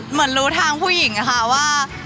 เหมือนรู้ทางผู้หญิงค่ะว่า